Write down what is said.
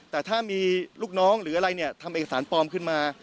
แต่ถ้ามีลูกน้องหรืออะไรเนี่ยทำเอกสารปลอมขึ้นมา